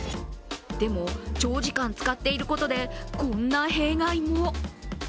でも、長時間使っていることでこんな弊害も。